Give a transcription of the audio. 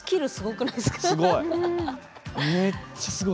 めっちゃすごい。